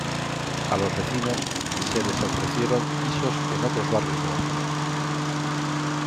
A los vecinos se les ofrecieron pisos en otros barrios de Barcelona.